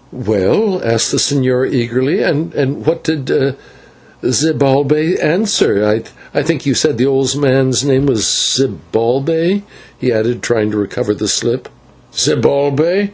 '" "Well," asked the señor eagerly, "and what did Zibalbay answer? I think that you said the old man's name was Zibalbay," he added, trying to recover the slip. "Zibalbay!